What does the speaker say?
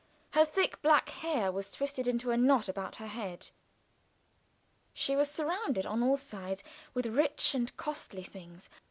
Her thick black hair was twisted into a knot about her head. She was surrounded on all sides with rich and costly things.